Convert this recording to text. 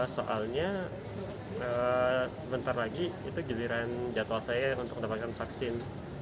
soalnya sebentar lagi itu giliran jadwal saya untuk mendapatkan vaksin